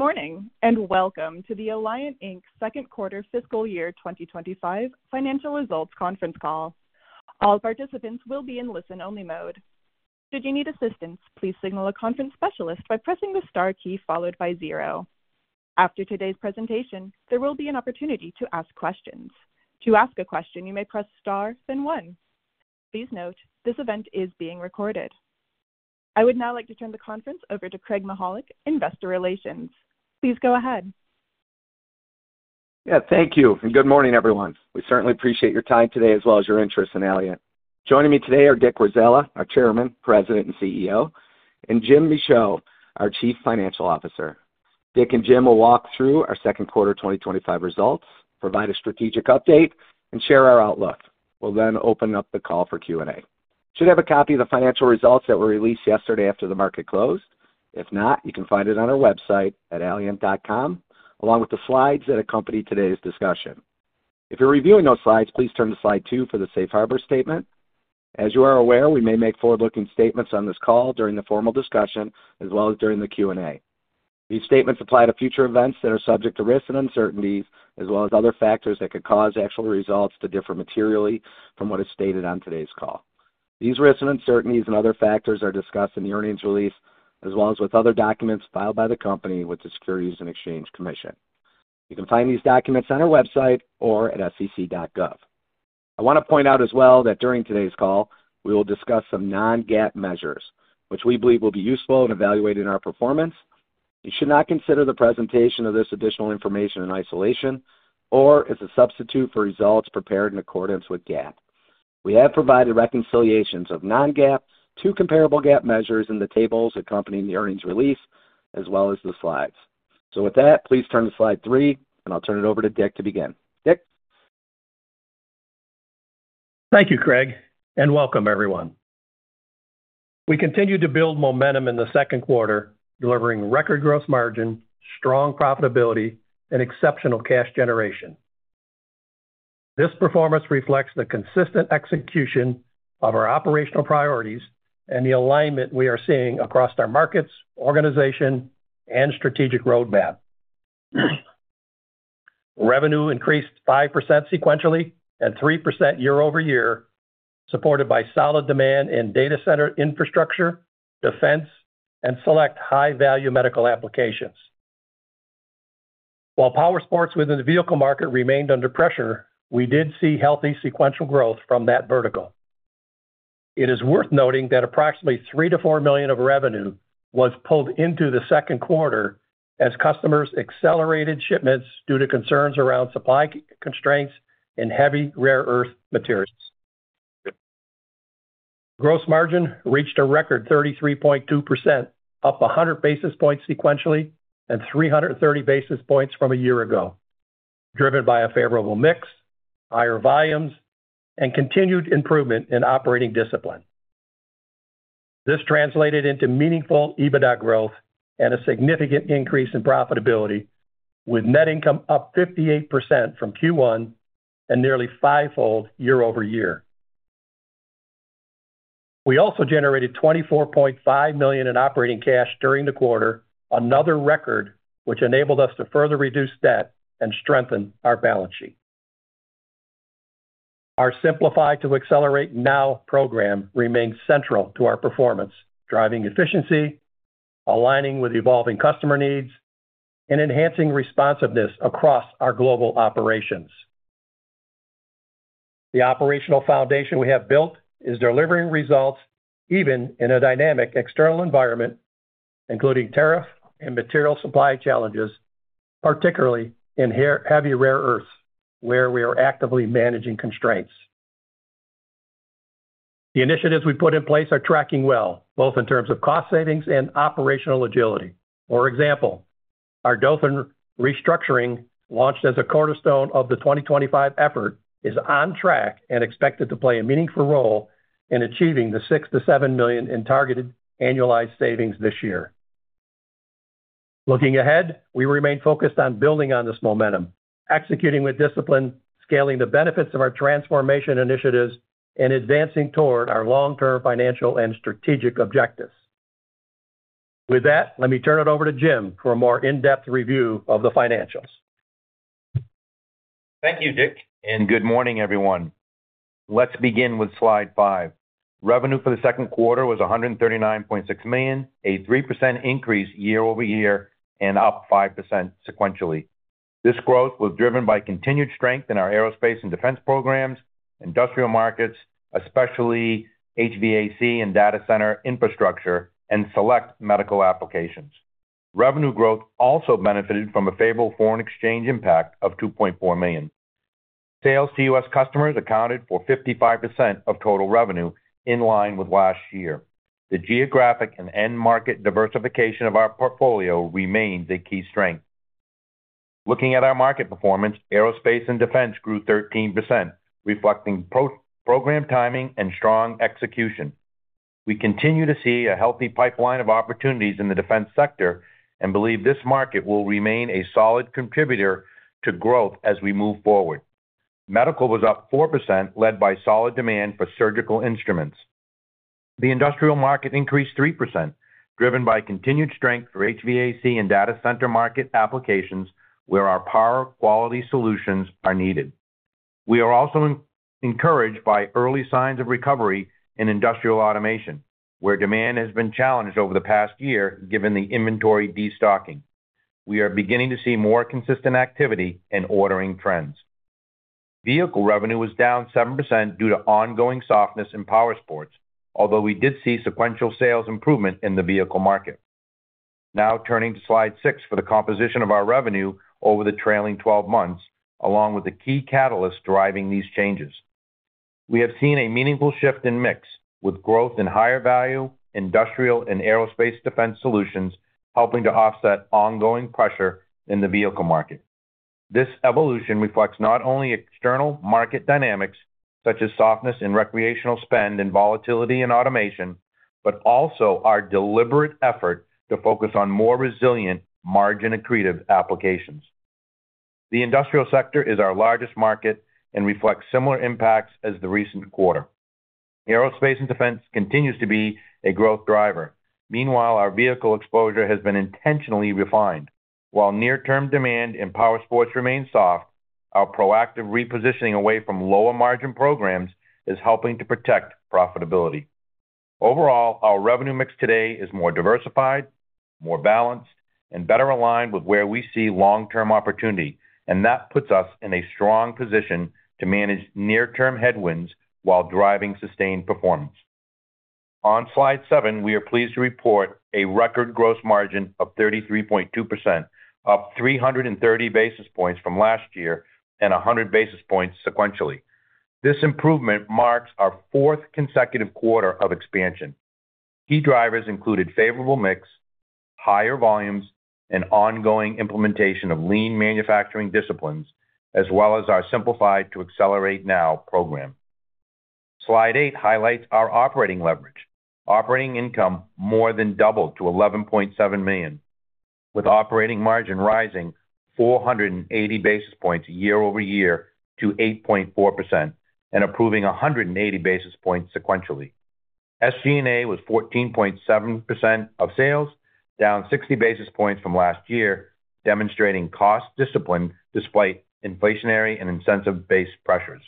Good morning and welcome to the Allient Inc second quarter fiscal year 2025 financial results conference call. All participants will be in listen-only mode. Should you need assistance, please signal a conference specialist by pressing the star key followed by zero. After today's presentation, there will be an opportunity to ask questions. To ask a question, you may press star, then one. Please note, this event is being recorded. I would now like to turn the conference over to Craig Mychajluk, Investor Relations. Please go ahead. Yeah, thank you. Good morning, everyone. We certainly appreciate your time today as well as your interest in Allient. Joining me today are Dick Rozella, our Chairman, President and CEO, and Jim Michaud, our Chief Financial Officer. Dick and Jim will walk through our second quarter 2025 results, provide a strategic update, and share our outlook. We'll then open up the call for Q&A. You should have a copy of the financial results that were released yesterday after the market closed. If not, you can find it on our website at allient.com, along with the slides that accompany today's discussion. If you're reviewing those slides, please turn to slide 2 for the Safe Harbor Statement. As you are aware, we may make forward-looking statements on this call during the formal discussion as well as during the Q&A. These statements apply to future events that are subject to risks and uncertainties, as well as other factors that could cause actual results to differ materially from what is stated on today's call. These risks and uncertainties and other factors are discussed in the earnings release, as well as with other documents filed by the company with the Securities and Exchange Commission. You can find these documents on our website or at sec.gov. I want to point out as well that during today's call, we will discuss some non-GAAP measures, which we believe will be useful in evaluating our performance. You should not consider the presentation of this additional information in isolation or as a substitute for results prepared in accordance with GAAP. We have provided reconciliations of non-GAAP to comparable GAAP measures in the tables accompanying the earnings release, as well as the slides. With that, please turn to slide 3, and I'll turn it over to Dick to begin. Dick? Thank you, Craig, and welcome, everyone. We continue to build momentum in the second quarter, delivering record gross margin, strong profitability, and exceptional cash generation. This performance reflects the consistent execution of our operational priorities and the alignment we are seeing across our markets, organization, and strategic roadmap. Revenue increased 5% sequentially and 3% year-over-year, supported by solid demand in data center infrastructure, defense, and select high-value medical applications. While power sports within the vehicle market remained under pressure, we did see healthy sequential growth from that vertical. It is worth noting that approximately $3-$4 million of revenue was pulled into the second quarter as customers accelerated shipments due to concerns around supply constraints in heavy rare earth materials. Gross margin reached a record 33.2%, up 100 basis points sequentially and 330 basis points from a year ago, driven by a favorable mix, higher volumes, and continued improvement in operating discipline. This translated into meaningful EBITDA growth and a significant increase in profitability, with net income up 58% from Q1 and nearly fivefold year-over-year. We also generated $24.5 million in operating cash during the quarter, another record, which enabled us to further reduce debt and strengthen our balance sheet. Our Simplify to Accelerate Now program remains central to our performance, driving efficiency, aligning with evolving customer needs, and enhancing responsiveness across our global operations. The operational foundation we have built is delivering results even in a dynamic external environment, including tariff and material supply challenges, particularly in heavy rare earths, where we are actively managing constraints. The initiatives we put in place are tracking well, both in terms of cost savings and operational agility. For example, our Dothan restructuring launched as a cornerstone of the 2025 effort is on track and expected to play a meaningful role in achieving the $6-$7 million in targeted annualized savings this year. Looking ahead, we remain focused on building on this momentum, executing with discipline, scaling the benefits of our transformation initiatives, and advancing toward our long-term financial and strategic objectives. With that, let me turn it over to Jim for a more in-depth review of the financials. Thank you, Dick, and good morning, everyone. Let's begin with slide 5. Revenue for the second quarter was $139.6 million, a 3% increase year-over-year and up 5% sequentially. This growth was driven by continued strength in our Aerospace and Defense programs, industrial markets, especially HVAC and data center infrastructure, and select medical applications. Revenue growth also benefited from a favorable foreign exchange impact of $2.4 million. Sales to U.S. customers accounted for 55% of total revenue, in line with last year. The geographic and end-market diversification of our portfolio remained the key strength. Looking at our market performance, Aerospace and Defense grew 13%, reflecting program timing and strong execution. We continue to see a healthy pipeline of opportunities in the defense sector and believe this market will remain a solid contributor to growth as we move forward. Medical was up 4%, led by solid demand for surgical instruments. The industrial market increased 3%, driven by continued strength for HVAC and data center market applications where our power quality solutions are needed. We are also encouraged by early signs of recovery in industrial automation, where demand has been challenged over the past year, given the inventory destocking. We are beginning to see more consistent activity and ordering trends. Vehicle revenue was down 7% due to ongoing softness in power sports, although we did see sequential sales improvement in the vehicle market. Now turning to slide 6 for the composition of our revenue over the trailing 12 months, along with the key catalysts driving these changes. We have seen a meaningful shift in mix, with growth in higher value industrial and Aerospace Defense solutions helping to offset ongoing pressure in the vehicle market. This evolution reflects not only external market dynamics, such as softness in recreational spend and volatility in automation, but also our deliberate effort to focus on more resilient, margin-accretive applications. The industrial sector is our largest market and reflects similar impacts as the recent quarter. Aerospace and Defense continues to be a growth driver. Meanwhile, our vehicle exposure has been intentionally refined. While near-term demand in power sports remains soft, our proactive repositioning away from lower margin programs is helping to protect profitability. Overall, our revenue mix today is more diversified, more balanced, and better aligned with where we see long-term opportunity, and that puts us in a strong position to manage near-term headwinds while driving sustained performance. On slide 7, we are pleased to report a record gross margin of 33.2%, up 330 basis points from last year and 100 basis points sequentially. This improvement marks our fourth consecutive quarter of expansion. Key drivers included favorable mix, higher volumes, and ongoing implementation of lean manufacturing disciplines, as well as our Simplify to Accelerate Now program. Slide 8 highlights our operating leverage. Operating income more than doubled to $11.7 million, with operating margin rising 480 basis points year-over-year to 8.4% and improving 180 basis points sequentially. SG&A was 14.7% of sales, down 60 basis points from last year, demonstrating cost discipline despite inflationary and incentive-based pressures.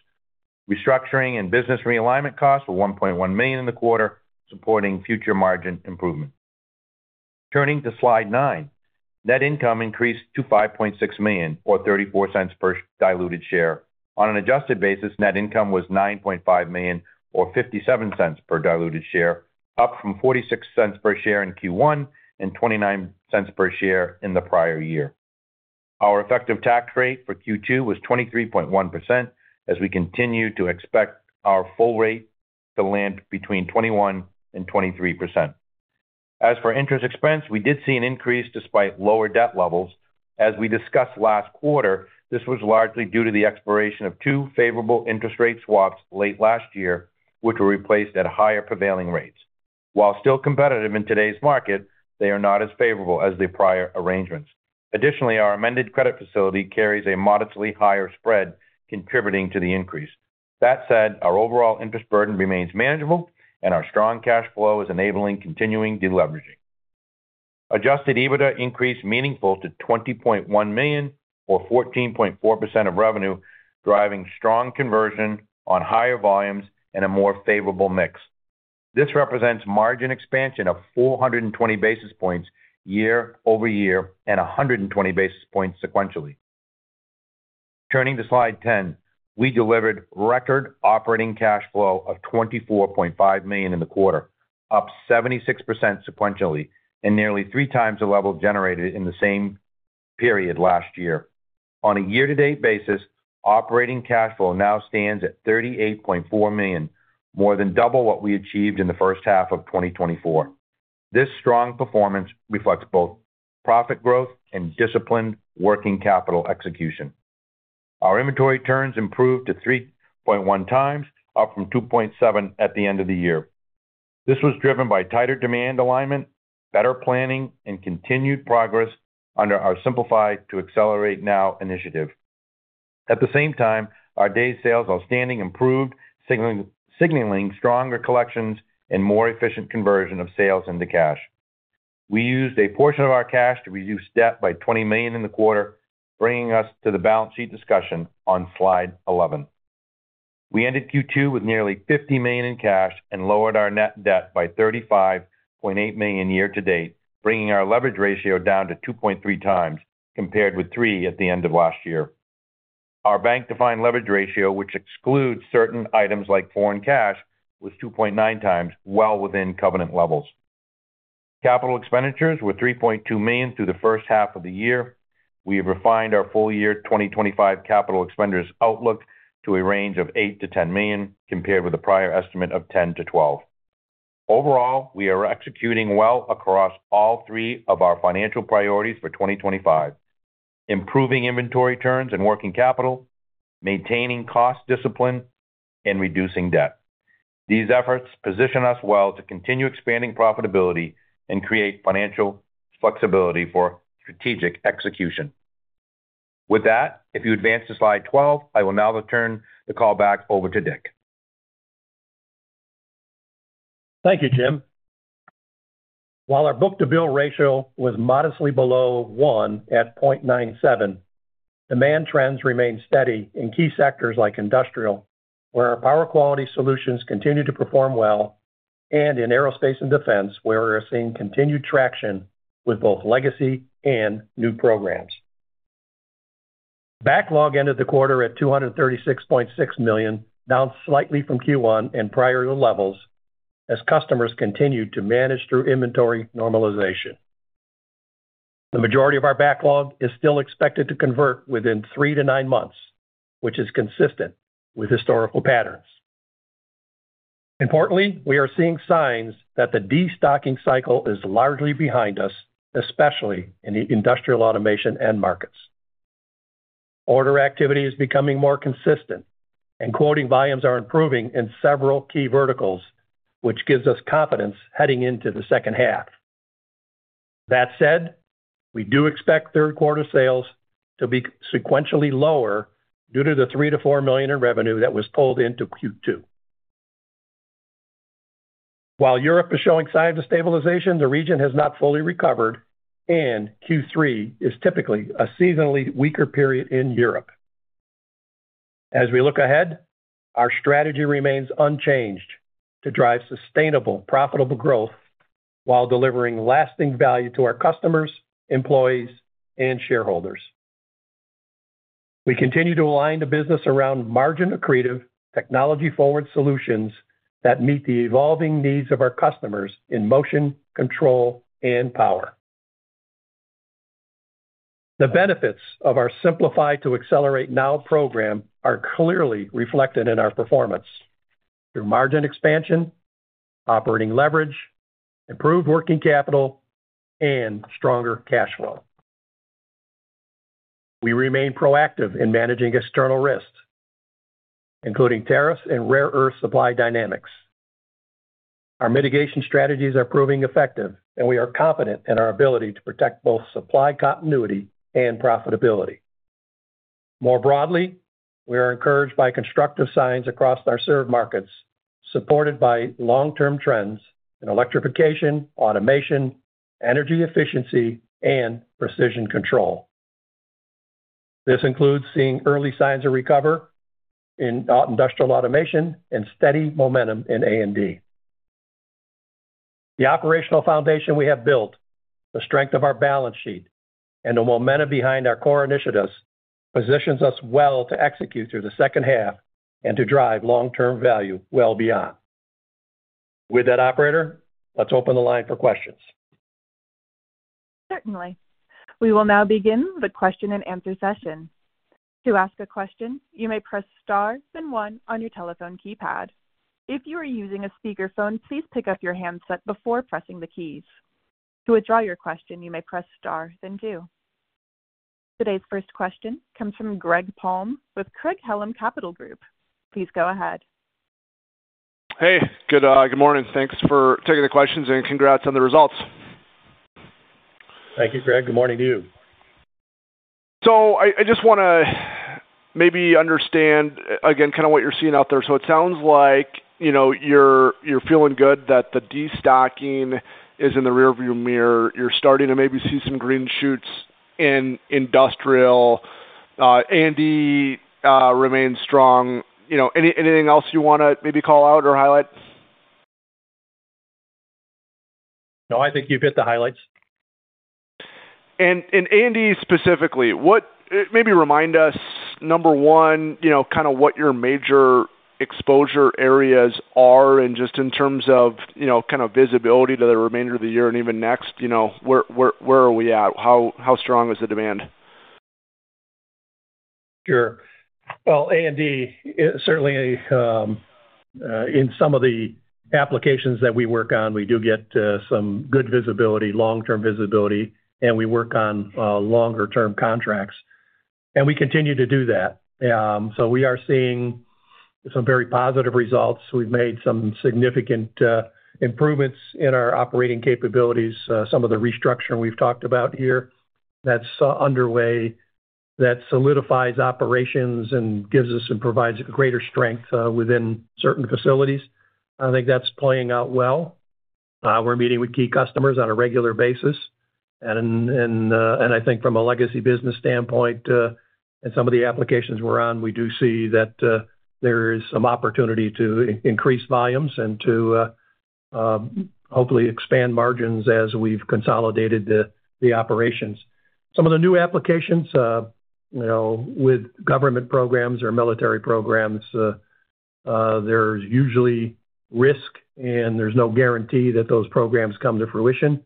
Restructuring and business realignment costs were $1.1 million in the quarter, supporting future margin improvement. Turning to slide 9, net income increased to $5.6 million, or $0.34 per diluted share. On an adjusted basis, net income was $9.5 million, or $0.57 per diluted share, up from $0.46 per share in Q1 and $0.29 per share in the prior year. Our effective tax rate for Q2 was 23.1%, as we continue to expect our full rate to land between 21% and 23%. As for interest expense, we did see an increase despite lower debt levels. As we discussed last quarter, this was largely due to the expiration of two favorable interest rate swaps late last year, which were replaced at higher prevailing rates. While still competitive in today's market, they are not as favorable as the prior arrangements. Additionally, our amended credit facility carries a modestly higher spread, contributing to the increase. That said, our overall interest burden remains manageable, and our strong cash flow is enabling continuing deleveraging. Adjusted EBITDA increased meaningfully to $20.1 million, or 14.4% of revenue, driving strong conversion on higher volumes and a more favorable mix. This represents margin expansion of 420 basis points year-over-year and 120 basis points sequentially. Turning to slide 10, we delivered record operating cash flow of $24.5 million in the quarter, up 76% sequentially and nearly 3x the level generated in the same period last year. On a year-to-date basis, operating cash flow now stands at $38.4 million, more than double what we achieved in the first half of 2024. This strong performance reflects both profit growth and disciplined working capital execution. Our inventory turns improved to 3.1x, up from 2.7 at the end of the year. This was driven by tighter demand alignment, better planning, and continued progress under our Simplify to Accelerate Now program. At the same time, our day sales outstanding improved, signaling stronger collections and more efficient conversion of sales into cash. We used a portion of our cash to reduce debt by $20 million in the quarter, bringing us to the balance sheet discussion on slide 11. We ended Q2 with nearly $50 million in cash and lowered our net debt by $35.8 million year to date, bringing our leverage ratio down to 2.3x, compared with 3 at the end of last year. Our bank-defined leverage ratio, which excludes certain items like foreign cash, was 2.9x, well within covenant levels. Capital expenditures were $3.2 million through the first half of the year. We have refined our full-year 2025 capital expenditures outlook to a range of $8-$10 million, compared with the prior estimate of $10-$12 million. Overall, we are executing well across all three of our financial priorities for 2025: improving inventory turns and working capital, maintaining cost discipline, and reducing debt. These efforts position us well to continue expanding profitability and create financial flexibility for strategic execution. With that, if you advance to slide 12, I will now turn the call back over to Dick. Thank you, Jim. While our book-to-build ratio was modestly below 1 at 0.97, demand trends remained steady in key sectors like industrial, where our power quality solutions continue to perform well, and in Aerospace and defense, where we are seeing continued traction with both legacy and new programs. Backlog ended the quarter at $236.6 million, down slightly from Q1 and prior-year levels, as customers continued to manage through inventory normalization. The majority of our backlog is still expected to convert within three to nine months, which is consistent with historical patterns. Importantly, we are seeing signs that the destocking cycle is largely behind us, especially in the industrial automation end markets. Order activity is becoming more consistent, and quoting volumes are improving in several key verticals, which gives us confidence heading into the second half. That said, we do expect third-quarter sales to be sequentially lower due to the $3-$4 million in revenue that was pulled into Q2. While Europe is showing signs of stabilization, the region has not fully recovered, and Q3 is typically a seasonally weaker period in Europe. As we look ahead, our strategy remains unchanged to drive sustainable, profitable growth while delivering lasting value to our customers, employees, and shareholders. We continue to align the business around margin-accretive, technology-forward solutions that meet the evolving needs of our customers in motion, control, and power. The benefits of our Simplify to Accelerate Now program are clearly reflected in our performance through margin expansion, operating leverage, improved working capital, and stronger cash flow. We remain proactive in managing external risks, including tariffs and rare earth supply dynamics. Our mitigation strategies are proving effective, and we are confident in our ability to protect both supply continuity and profitability. More broadly, we are encouraged by constructive signs across our serve markets, supported by long-term trends in electrification, automation, energy efficiency, and precision control. This includes seeing early signs of recovery in industrial automation and steady momentum in A&D. The operational foundation we have built, the strength of our balance sheet, and the momentum behind our core initiatives positions us well to execute through the second half and to drive long-term value well beyond. With that, operator, let's open the line for questions. Certainly. We will now begin the question and answer session. To ask a question, you may press star, then one on your telephone keypad. If you are using a speakerphone, please pick up your handset before pressing the keys. To withdraw your question, you may press star, then two. Today's first question comes from Greg Palm with Craig-Hallum Capital Group. Please go ahead. Hey, good morning. Thanks for taking the questions, and congrats on the results. Thank you, Greg. Good morning to you. I just want to maybe understand again kind of what you're seeing out there. It sounds like you know you're feeling good that the destocking is in the rearview mirror. You're starting to maybe see some green shoots in industrial. Aerospace and Defense remains strong. You know anything else you want to maybe call out or highlight? No, I think you've hit the highlights. Aerospace and Defense specifically, maybe remind us, number one, what your major exposure areas are and just in terms of visibility to the remainder of the year and even next, where are we at? How strong is the demand? Sure. Aerospace and Defense is certainly in some of the applications that we work on. We do get some good visibility, long-term visibility, and we work on longer-term contracts, and we continue to do that. We are seeing some very positive results. We've made some significant improvements in our operating capabilities, some of the restructuring we've talked about here that's underway that solidifies operations and gives us and provides greater strength within certain facilities. I think that's playing out well. We're meeting with key customers on a regular basis, and I think from a legacy business standpoint and some of the applications we're on, we do see that there is some opportunity to increase volumes and to hopefully expand margins as we've consolidated the operations. Some of the new applications, you know, with government programs or military programs, there's usually risk, and there's no guarantee that those programs come to fruition.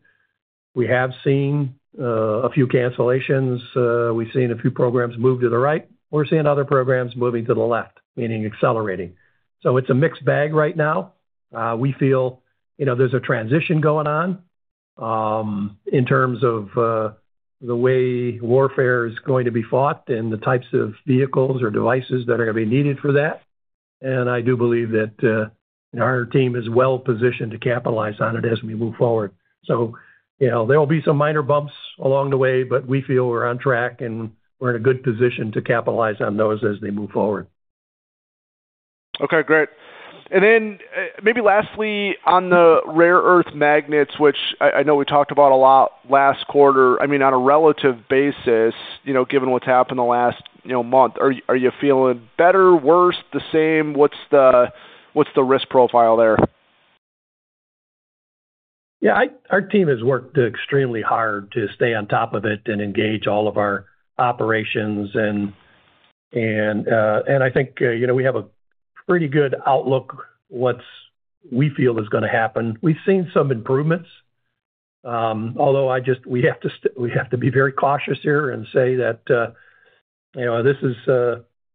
We have seen a few cancellations. We've seen a few programs move to the right. We're seeing other programs moving to the left, meaning accelerating. It's a mixed bag right now. We feel there's a transition going on in terms of the way warfare is going to be fought and the types of vehicles or devices that are going to be needed for that. I do believe that our team is well positioned to capitalize on it as we move forward. There will be some minor bumps along the way, but we feel we're on track and we're in a good position to capitalize on those as they move forward. Okay, great. Maybe lastly, on the rare earth magnets, which I know we talked about a lot last quarter, on a relative basis, given what's happened in the last month, are you feeling better, worse, the same? What's the risk profile there? Yeah, our team has worked extremely hard to stay on top of it and engage all of our operations, and I think you know we have a pretty good outlook on what we feel is going to happen. We've seen some improvements, although we have to be very cautious here and say that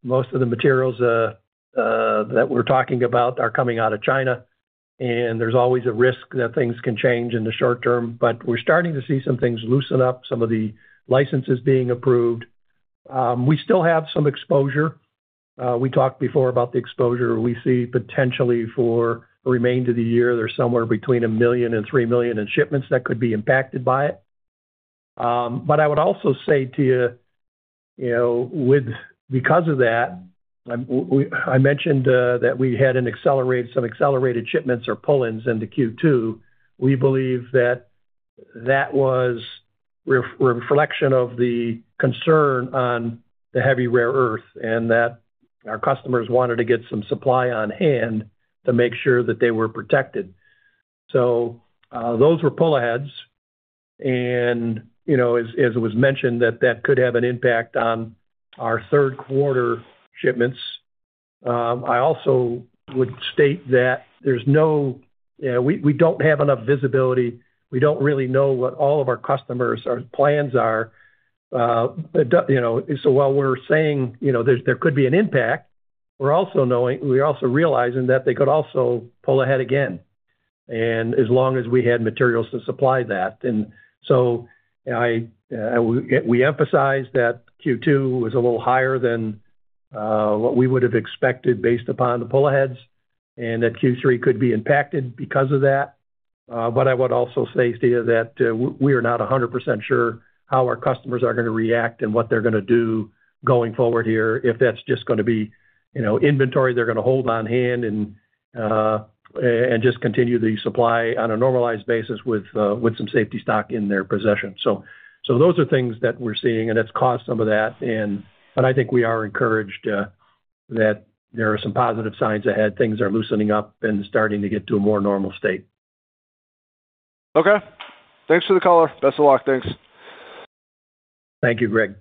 most of the materials that we're talking about are coming out of China, and there's always a risk that things can change in the short term. We're starting to see some things loosen up, some of the licenses being approved. We still have some exposure. We talked before about the exposure we see potentially for the remainder of the year. There's somewhere between $1 million and $3 million in shipments that could be impacted by it. I would also say to you, because of that, I mentioned that we had some accelerated shipments or pull-ins into Q2. We believe that was a reflection of the concern on the heavy rare earth and that our customers wanted to get some supply on hand to make sure that they were protected. Those were pull-aheads, and as it was mentioned, that could have an impact on our third-quarter shipments. I also would state that we don't have enough visibility. We don't really know what all of our customers' plans are. While we're saying there could be an impact, we're also realizing that they could also pull ahead again, as long as we had materials to supply that. We emphasize that Q2 was a little higher than what we would have expected based upon the pull-aheads and that Q3 could be impacted because of that. I would also say to you that we are not 100% sure how our customers are going to react and what they're going to do going forward here, if that's just going to be inventory they're going to hold on hand and just continue the supply on a normalized basis with some safety stock in their possession. Those are things that we're seeing, and that's caused some of that. I think we are encouraged that there are some positive signs ahead. Things are loosening up and starting to get to a more normal state. Okay, thanks for the call. Best of luck. Thanks. Thank you, Greg.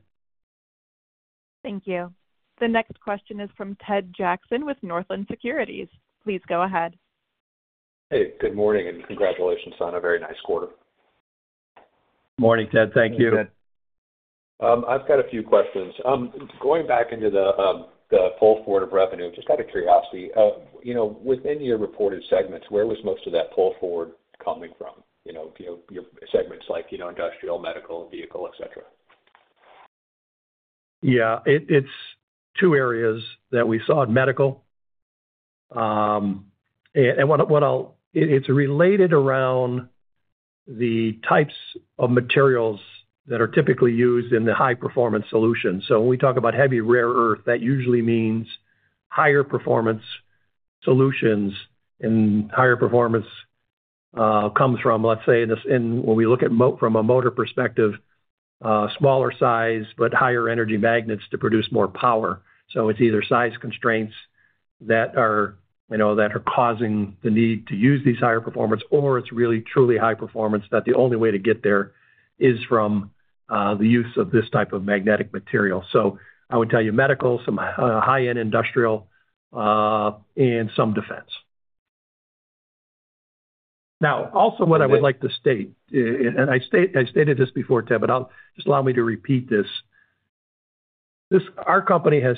Thank you. The next question is from Ted Jackson with Northland Securities. Please go ahead. Hey, good morning, and congratulations on a very nice quarter. Morning, Ted. Thank you. I've got a few questions. Going back into the pull forward of revenue, just out of curiosity, within your reported segments, where was most of that pull forward coming from? Your segments like industrial, medical, vehicle, etc. Yeah, it's two areas that we saw in medical. It's related around the types of materials that are typically used in the high-performance solutions. When we talk about heavy rare earth, that usually means higher performance solutions, and higher performance comes from, let's say, when we look at it from a motor perspective, smaller size but higher energy magnets to produce more power. It's either size constraints that are causing the need to use these higher performance, or it's really truly high performance that the only way to get there is from the use of this type of magnetic material. I would tell you medical, some high-end industrial, and some defense. Also, what I would like to state, and I stated this before, Ted, but allow me to repeat this. Our company has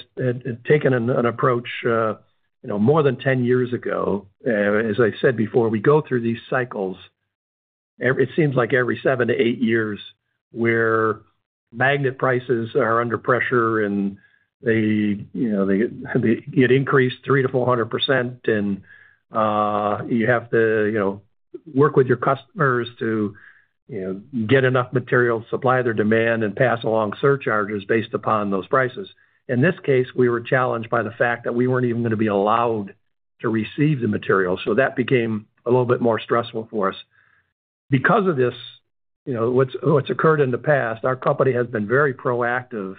taken an approach, more than 10 years ago. As I said before, we go through these cycles. It seems like every seven to eight years where magnet prices are under pressure and they get increased 3 to 400%, and you have to work with your customers to get enough material to supply their demand and pass along surcharges based upon those prices. In this case, we were challenged by the fact that we weren't even going to be allowed to receive the material. That became a little bit more stressful for us. Because of this, what's occurred in the past, our company has been very proactive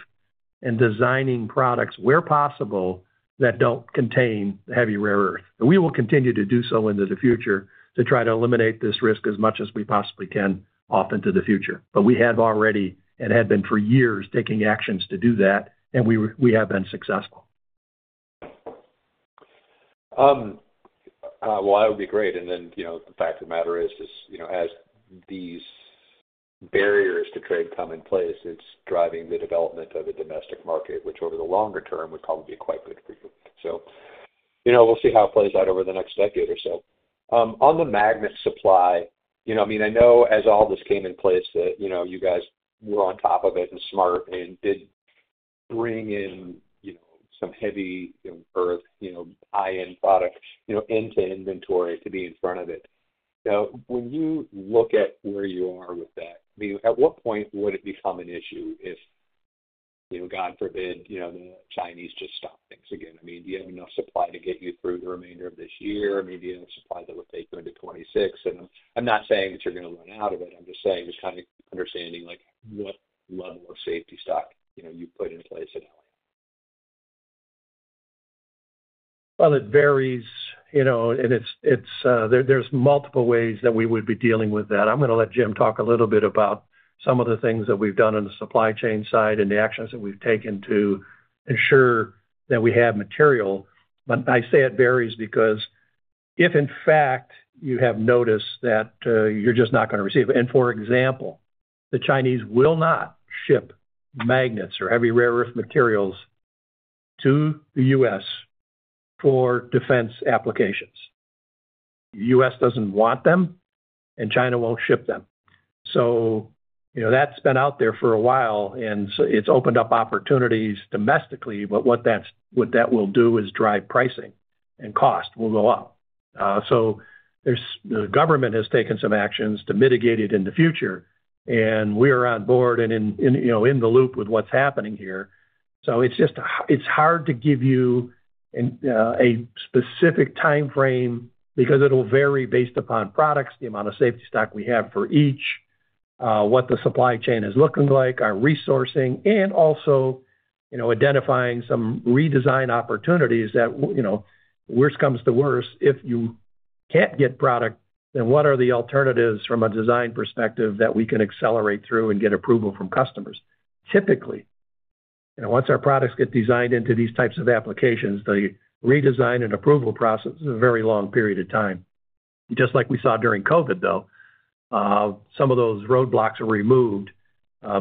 in designing products where possible that don't contain heavy rare earth. We will continue to do so into the future to try to eliminate this risk as much as we possibly can off into the future. We have already and had been for years taking actions to do that, and we have been successful. The fact of the matter is, as these barriers to trade come in place, it's driving the development of the domestic market, which over the longer term would probably be quite good for you. We'll see how it plays out over the next decade or so. On the magnet supply, I know as all this came in place that you guys were on top of it and smart and did bring in some heavy rare earth, high-end products into inventory to be in front of it. Now, when you look at where you are with that, at what point would it become an issue if, God forbid, the Chinese just stop things again? Do you have enough supply to get you through the remainder of this year? Do you have enough supply that would take you into 2026? I'm not saying that you're going to run out of it. I'm just saying just kind of understanding what level of safety stock you've put in place at home. It varies, you know, and there's multiple ways that we would be dealing with that. I'm going to let Jim talk a little bit about some of the things that we've done on the supply chain side and the actions that we've taken to ensure that we have material. I say it varies because if in fact you have noticed that you're just not going to receive it. For example, the Chinese will not ship magnets or heavy rare earth materials to the U.S. for defense applications. The U.S. doesn't want them, and China won't ship them. That's been out there for a while, and it's opened up opportunities domestically, but what that will do is drive pricing, and costs will go up. The government has taken some actions to mitigate it in the future, and we are on board and in the loop with what's happening here. It's hard to give you a specific timeframe because it'll vary based upon products, the amount of safety stock we have for each, what the supply chain is looking like, our resourcing, and also identifying some redesign opportunities that, worse comes to worse, if you can't get product, then what are the alternatives from a design perspective that we can accelerate through and get approval from customers. Typically, once our products get designed into these types of applications, the redesign and approval process is a very long period of time. Just like we saw during COVID, though, some of those roadblocks are removed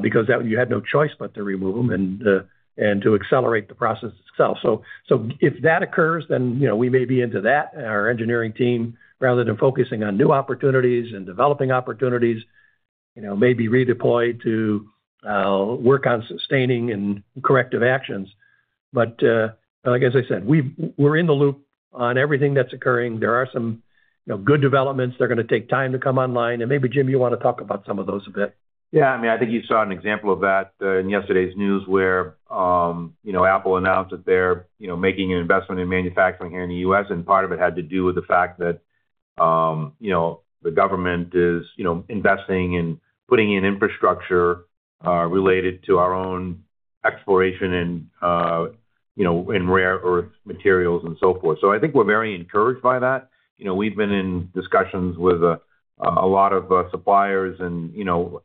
because you had no choice but to remove them and to accelerate the process itself. If that occurs, then we may be into that. Our engineering team, rather than focusing on new opportunities and developing opportunities, may be redeployed to work on sustaining and corrective actions. Like I said, we're in the loop on everything that's occurring. There are some good developments that are going to take time to come online. Maybe, Jim, you want to talk about some of those a bit. Yeah, I mean, I think you saw an example of that in yesterday's news where, you know, Apple announced that they're making an investment in manufacturing here in the U.S., and part of it had to do with the fact that the government is investing in putting in infrastructure related to our own exploration and in rare earth materials and so forth. I think we're very encouraged by that. We've been in discussions with a lot of suppliers, and,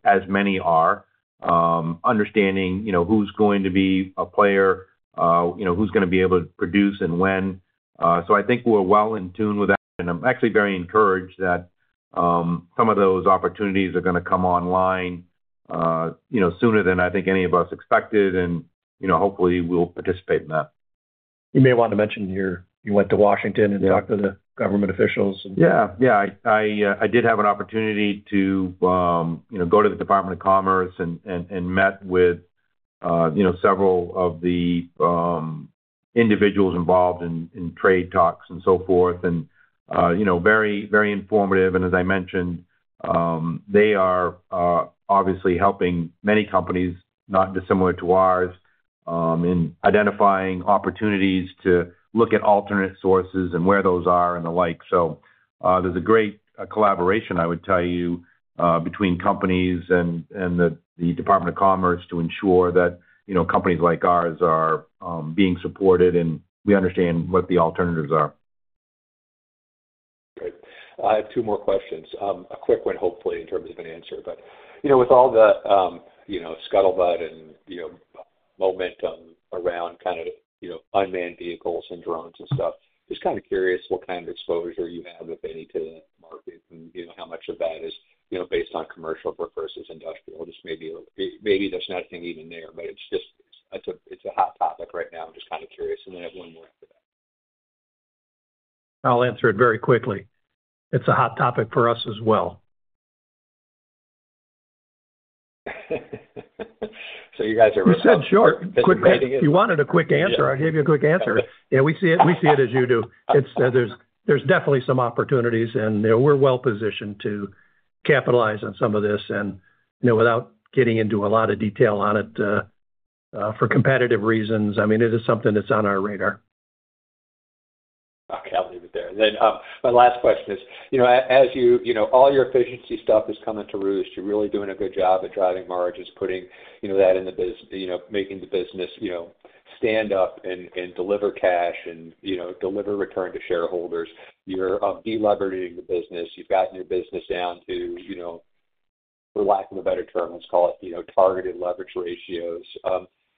as many are, understanding who's going to be a player, who's going to be able to produce and when. I think we're well in tune with that, and I'm actually very encouraged that some of those opportunities are going to come online sooner than I think any of us expected, and hopefully, we'll participate in that. You may want to mention here, you went to Washington and talked to the government officials. Yeah, I did have an opportunity to go to the Department of Commerce and met with several of the individuals involved in trade talks and so forth. It was very informative. As I mentioned, they are obviously helping many companies, not dissimilar to ours, in identifying opportunities to look at alternate sources and where those are and the like. There is a great collaboration, I would tell you, between companies and the Department of Commerce to ensure that companies like ours are being supported and we understand what the alternatives are. I have two more questions, a quick one, hopefully, in terms of an answer. With all the scuttlebutt and momentum around kind of unmanned vehicles and drones and stuff, just kind of curious what kind of exposure you have, if any, to that market and how much of that is based on commercial versus industrial. Maybe there's nothing even there, but it's just, it's a hot topic right now. I'm just kind of curious. I have one more after that. I'll answer it very quickly. It's a hot topic for us as well. You guys are. We said short, quick. If you wanted a quick answer, I'd give you a quick answer. Yeah, we see it, we see it as you do. There are definitely some opportunities, and we're well positioned to capitalize on some of this. Without getting into a lot of detail on it for competitive reasons, it is something that's on our radar. Okay, I'll leave it there. My last question is, as you know, all your efficiency stuff is coming to roost. You're really doing a good job at driving margins, putting that in the business, making the business stand up and deliver cash and deliver return to shareholders. You're deleveraging the business. You've gotten your business down to, for lack of a better term, let's call it targeted leverage ratios.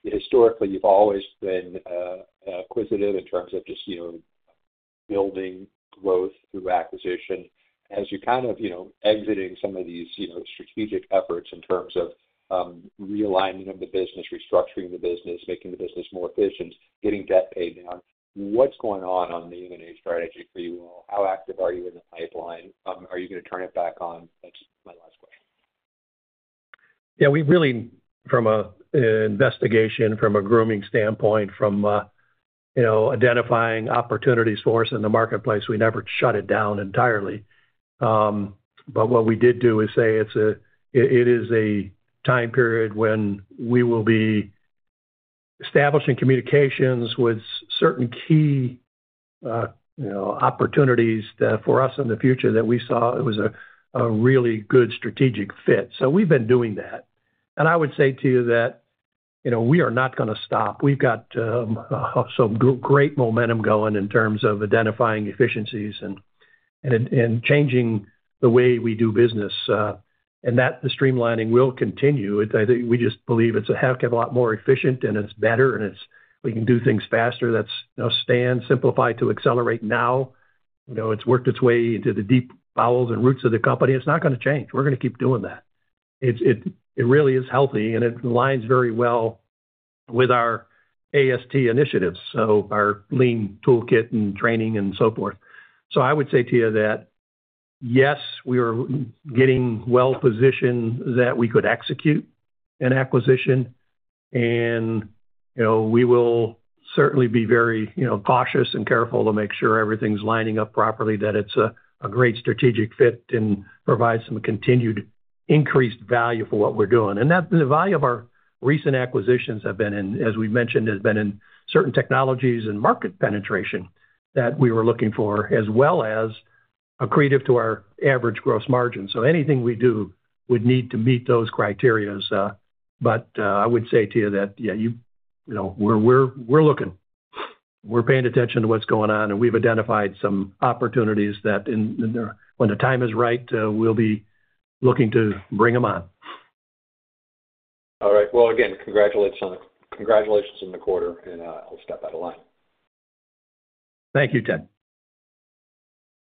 Historically, you've always been acquisitive in terms of just building growth through acquisition. As you're kind of exiting some of these strategic efforts in terms of realigning on the business, restructuring the business, making the business more efficient, getting debt paid down, what's going on on the M&A strategy for you all? How active are you in the pipeline? Are you going to turn it back on? That's my last question. Yeah, we really, from an investigation, from a grooming standpoint, from identifying opportunities for us in the marketplace, we never shut it down entirely. What we did do is say it is a time period when we will be establishing communications with certain key opportunities for us in the future that we saw it was a really good strategic fit. We've been doing that. I would say to you that we are not going to stop. We've got some great momentum going in terms of identifying efficiencies and changing the way we do business, and the streamlining will continue. I think we just believe it's a heck of a lot more efficient and it's better and we can do things faster. That's Simplify to Accelerate Now. It's worked its way into the deep bowels and roots of the company. It's not going to change. We're going to keep doing that. It really is healthy and it aligns very well with our AST initiatives, so our lean toolkit and training and so forth. I would say to you that, yes, we are getting well positioned that we could execute an acquisition and we will certainly be very cautious and careful to make sure everything's lining up properly, that it's a great strategic fit and provides some continued increased value for what we're doing. The value of our recent acquisitions has been, and as we've mentioned, has been in certain technologies and market penetration that we were looking for, as well as accretive to our average gross margins. Anything we do would need to meet those criteria. I would say to you that, yeah, we're looking. We're paying attention to what's going on and we've identified some opportunities that when the time is right, we'll be looking to bring them on. All right. Again, congratulations on the quarter and I'll step out of line. Thank you, Ted.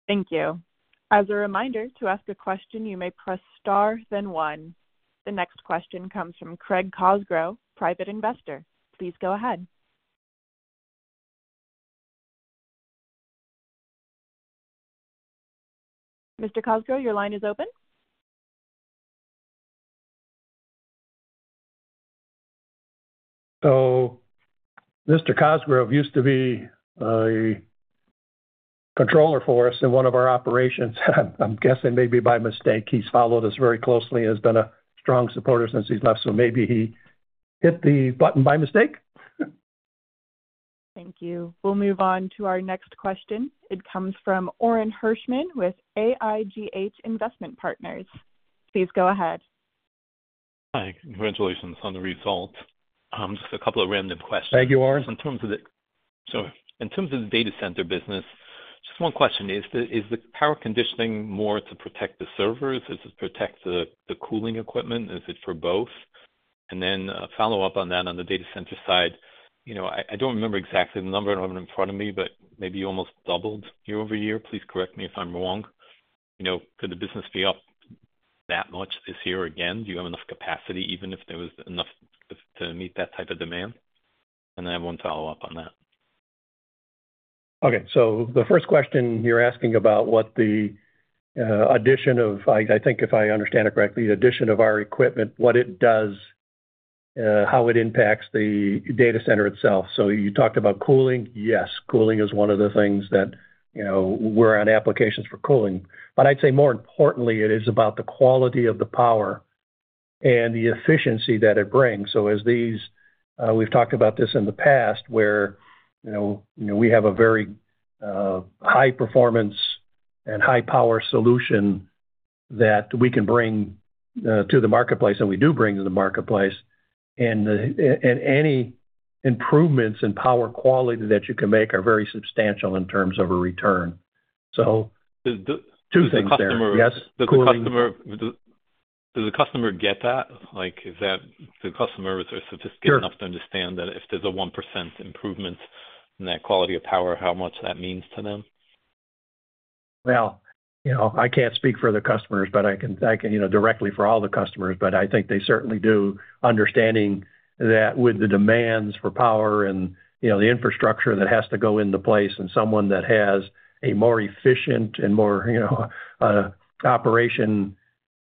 Thank you. As a reminder, to ask a question, you may press star, then one. The next question comes from Craig Cosgrove, private investor. Please go ahead. Mr. Cosgrove, your line is open. Mr. Cosgrove used to be a Controller for us in one of our operations. I'm guessing maybe by mistake he's followed us very closely and has been a strong supporter since he's left. Maybe he hit the button by mistake. Thank you. We'll move on to our next question. It comes from Orin Hirschman with AIGH Investment Partners. Please go ahead. Hi, congratulations on the results. Just a couple of random questions. Thank you, Orin. In terms of the data center business, just one question. Is the power conditioning more to protect the servers? Is it to protect the cooling equipment? Is it for both? A follow-up on that on the data center side, I don't remember exactly the number I have in front of me, but maybe you almost doubled year over year. Please correct me if I'm wrong. Could the business be up that much this year again? Do you have enough capacity, even if there was enough to meet that type of demand? I won't follow up on that. Okay, so the first question you're asking about what the addition of, I think if I understand it correctly, the addition of our equipment, what it does, how it impacts the data center itself. You talked about cooling. Yes, cooling is one of the things that, you know, we're on applications for cooling. I'd say more importantly, it is about the quality of the power and the efficiency that it brings. As we've talked about this in the past where, you know, we have a very high performance and high power solution that we can bring to the marketplace, and we do bring to the marketplace. Any improvements in power quality that you can make are very substantial in terms of a return. Two things there. Does the customer get that? Is the customer, is their statistic enough to understand that if there's a 1% improvement in that quality of power, how much that means to them? I can't speak for the customers, but I can, you know, directly for all the customers, but I think they certainly do, understanding that with the demands for power and, you know, the infrastructure that has to go into place, and someone that has a more efficient and more, you know, operation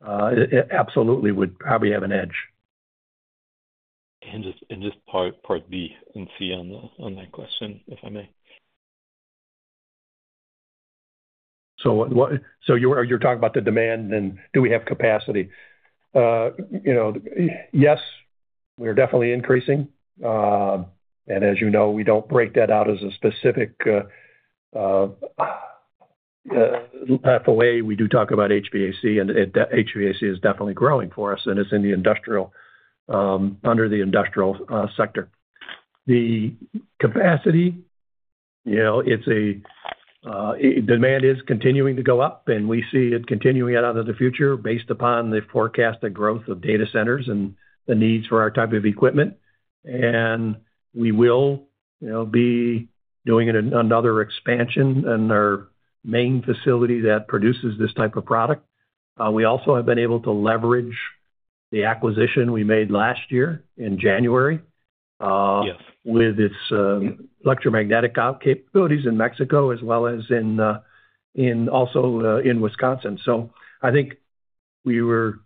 absolutely would probably have an edge. Part B and C on that question, if I may. You're talking about the demand and do we have capacity? Yes, we are definitely increasing. As you know, we don't break that out as a specific pathway. We do talk about HVAC, and HVAC is definitely growing for us, and it's in the industrial, under the industrial sector. The capacity, demand is continuing to go up, and we see it continuing out into the future based upon the forecasted growth of data centers and the needs for our type of equipment. We will be doing another expansion in our main facility that produces this type of product. We also have been able to leverage the acquisition we made last year in January with its electromagnetic capabilities in Mexico, as well as in Wisconsin. I think the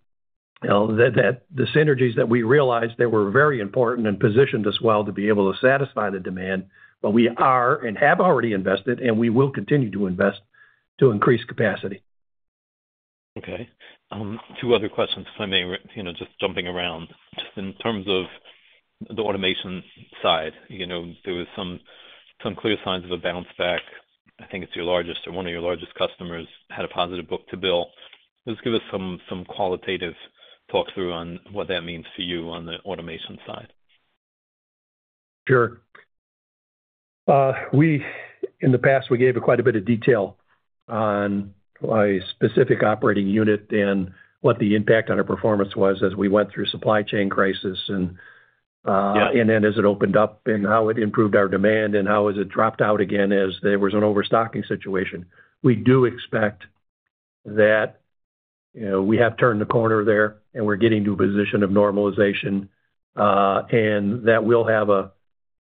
synergies that we realized were very important and positioned us well to be able to satisfy the demand. We are and have already invested, and we will continue to invest to increase capacity. Okay. Two other questions, if I may, just jumping around. Just in terms of the automation side, there were some clear signs of a bounce back. I think it's your largest or one of your largest customers had a positive book-to-build. Just give us some qualitative talk through on what that means for you on the automation side. Sure. In the past, we gave quite a bit of detail on a specific operating unit and what the impact on our performance was as we went through the supply chain crisis, then as it opened up and how it improved our demand, and how it dropped out again as there was an overstocking situation. We do expect that we have turned the corner there and we're getting to a position of normalization, and that will have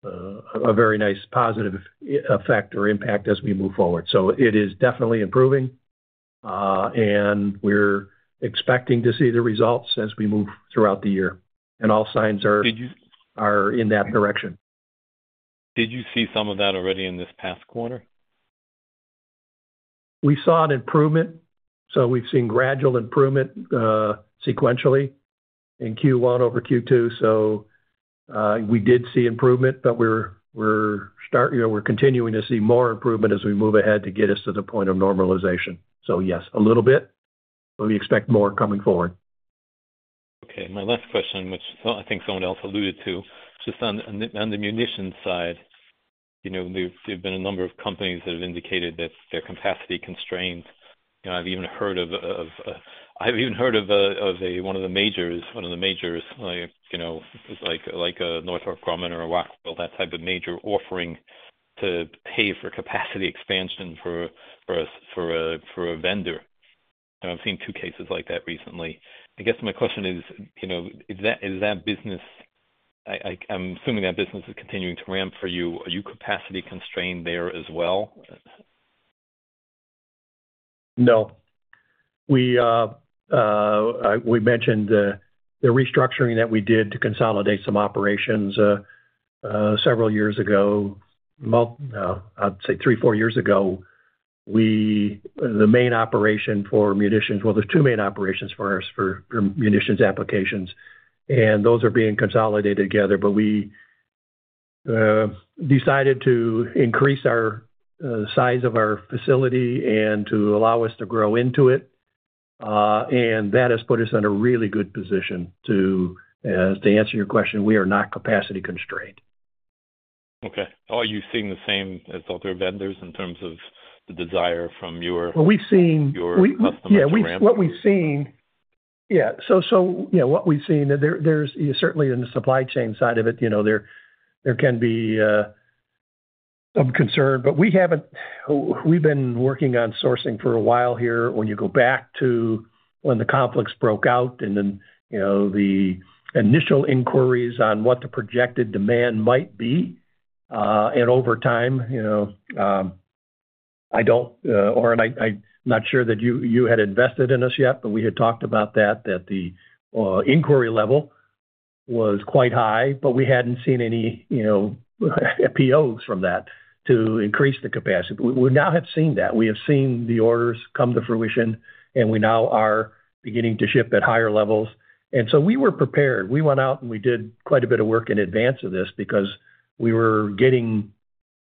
a very nice positive effect or impact as we move forward. It is definitely improving and we're expecting to see the results as we move throughout the year, and all signs are in that direction. Did you see some of that already in this past quarter? We saw an improvement. We've seen gradual improvement sequentially in Q1 over Q2. We did see improvement, and we're continuing to see more improvement as we move ahead to get us to the point of normalization. Yes, a little bit, but we expect more coming forward. Okay. My last question, which I think someone else alluded to, just on the munitions side, there have been a number of companies that have indicated that there are capacity constraints. I've even heard of one of the majors, like a Northrop Grumman or a Wattfield, that type of major, offering to pay for capacity expansion for a vendor. I've seen two cases like that recently. I guess my question is, is that business, I'm assuming that business is continuing to ramp for you. Are you capacity constrained there as well? No. We mentioned the restructuring that we did to consolidate some operations several years ago. I'd say three, four years ago, the main operation for munitions, there are two main operations for us for munitions applications, and those are being consolidated together. We decided to increase our size of our facility and to allow us to grow into it. That has put us in a really good position to, as to answer your question, we are not capacity constrained. Okay. Are you seeing the same as other vendors in terms of the desire from your customers? What we've seen, there's certainly in the supply chain side of it, you know, there can be some concern, but we haven't, we've been working on sourcing for a while here when you go back to when the conflicts broke out and then, you know, the initial inquiries on what the projected demand might be. Over time, you know, I don't, Oren, I'm not sure that you had invested in us yet, but we had talked about that, that the inquiry level was quite high, but we hadn't seen any, you know, POs from that to increase the capacity. We now have seen that. We have seen the orders come to fruition, and we now are beginning to ship at higher levels. We were prepared. We went out and we did quite a bit of work in advance of this because we were getting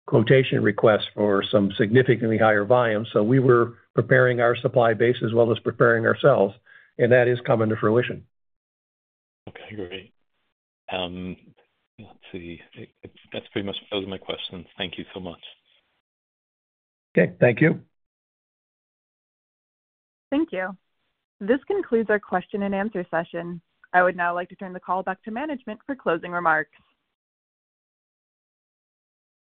quotation requests for some significantly higher volumes. We were preparing our supply base as well as preparing ourselves. That is coming to fruition. Okay, great. Let's see. That's pretty much those are my questions. Thank you so much. Okay, thank you. Thank you. This concludes our question and answer session. I would now like to turn the call back to management for closing remarks.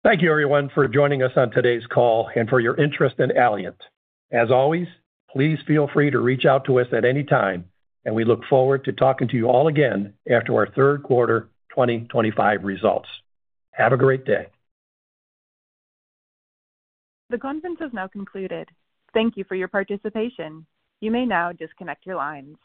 Thank you, everyone, for joining us on today's call and for your interest in Allient. As always, please feel free to reach out to us at any time, and we look forward to talking to you all again after our third quarter 2025 results. Have a great day. The conference has now concluded. Thank you for your participation. You may now disconnect your lines.